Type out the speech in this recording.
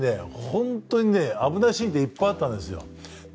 本当にね危ないシーンっていっぱいあったんですよ。